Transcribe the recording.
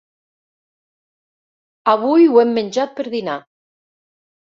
Avui ho hem menjat per dinar.